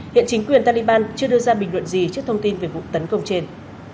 hiện chính quyền taliban chưa đưa ra bình luận gì trước thông tin về vụ tấn công trên